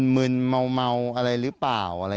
มึนเมา